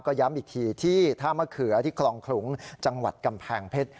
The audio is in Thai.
ก็ย้ำอีกทีที่ท่ามะเขือที่คลองขลุงจังหวัดกำแพงเพชร